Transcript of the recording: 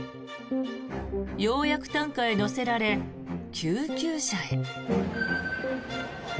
ようやく担架へ乗せられ救急車へ。